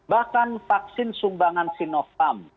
bahkan vaksin sumbangan sinovac